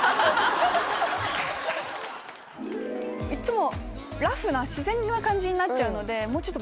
いっつも。